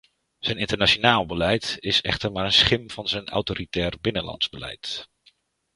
Zijn internationaal beleid is echter maar een schim van zijn autoritaire binnenlandse beleid.